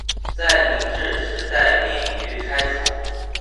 在明治时代免于拆除。